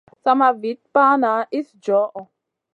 Sama Vit pana iss djoho.